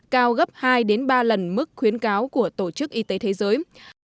cao gấp hai ba lần mức khuyến cáo của tổ chức y tế thế giới